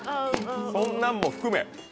そんなんも含め。